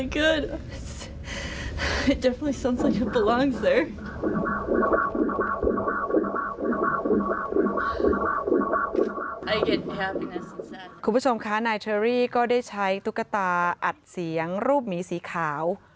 คุณผู้ชมคะนายเชอรี่ก็ได้ใช้ตุ๊กตาอัดเสียงรูปหมีสีขาว